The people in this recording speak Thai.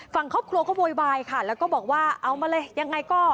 ฝั่งครอบครัวก็โวยวายค่ะแล้วก็บอกว่าเอามาเลยยังไงก็